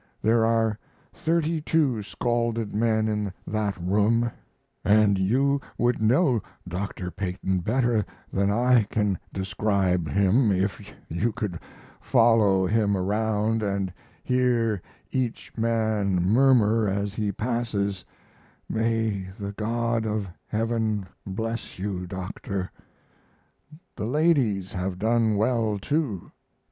There are 32 scalded men in that room, and you would know Dr. Peyton better than I can describe him if you could follow him around and hear each man murmur as he passes, "May the God of Heaven bless you, Doctor!" The ladies have done well, too.